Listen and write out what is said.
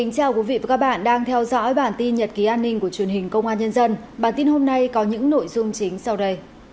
các bạn hãy đăng ký kênh để ủng hộ kênh của chúng mình nhé